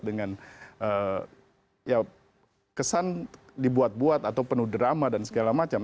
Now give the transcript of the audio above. dengan ya kesan dibuat buat atau penuh drama dan segala macam